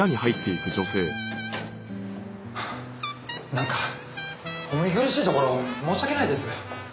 なんかお見苦しいところを申し訳ないです。